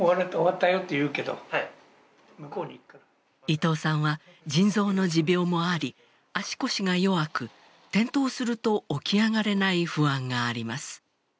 伊藤さんは腎臓の持病もあり足腰が弱く転倒すると起き上がれない不安があります。